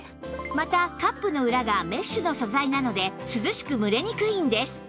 またカップの裏がメッシュの素材なので涼しく蒸れにくいんです